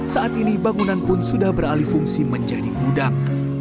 saat ini bangunan pun sudah beralih fungsi menjadi gudang